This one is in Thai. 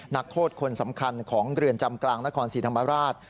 นักโทษคนสำคัญของเรือนจำกลางนครศรีธรรมราช